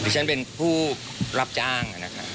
ฉันเป็นผู้รับจ้างนะครับ